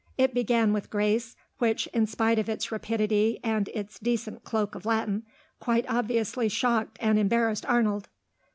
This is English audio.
It began with grace, which, in spite of its rapidity and its decent cloak of Latin, quite obviously shocked and embarrassed Arnold.